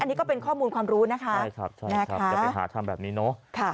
อันนี้ก็เป็นข้อมูลความรู้นะคะอย่าไปหาทำแบบนี้เนอะ